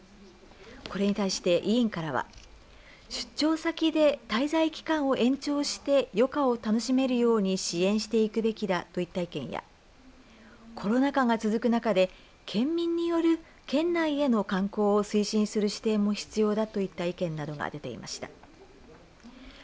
これに対して委員からは出張先で滞在期間を延長して余暇を楽しめるように支援していくべきだといった意見やコロナ禍が続くなかで県民による、県内への観光を推進する視点も必要だといった意見などが出ていました。